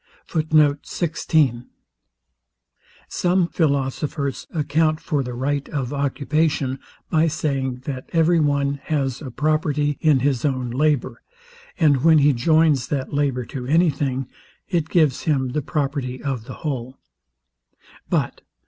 Some philosophers account for the right of occupation, by saying, that every one has a property in his own labour; and when he joins that labour to any thing, it gives him the property of the whole: But, 1.